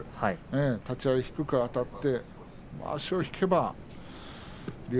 立ち合い低くあたってまわしを引けば竜